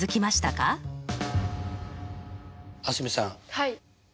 はい。